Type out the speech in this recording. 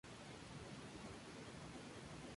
El templo parroquial está dedicado a San Miguel.